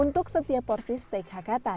untuk setiap porsi steak hakata